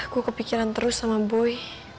aku kepikiran terus sama boy